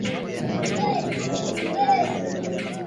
nzima kuanzisha idadi ya watu karibu na